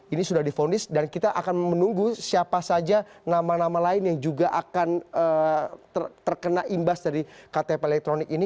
ini sudah difonis dan kita akan menunggu siapa saja nama nama lain yang juga akan terkena imbas dari ktp elektronik ini